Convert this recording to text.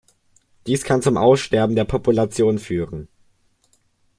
Dies kann zum Aussterben der Population führen.